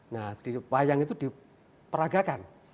nah di wayang itu diperagakan